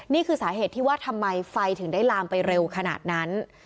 นี่คือสาเหตุที่ว่าทำไมไฟถึงได้ลามไปเร็วขนาดนั้น